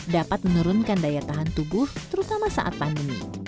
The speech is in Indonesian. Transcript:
dapat menurunkan daya tahan tubuh terutama saat pandemi